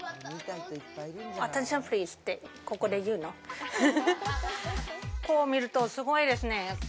こう見ると、すごいですね。